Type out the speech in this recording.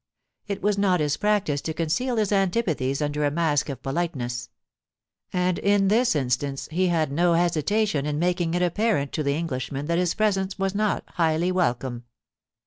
It was not his practice to conceal his antipathies under a mask of politeness; and in this instance he had no hesitation vcv 228 POLICY AND PASSION, making it apparent to the Englishman that his presence was not highly welcome.